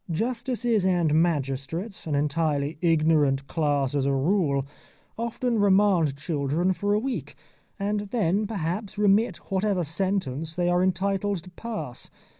Justices and magistrates, an entirely ignorant class as a rule, often remand children for a week, and then perhaps remit whatever sentence they are entitled to pass.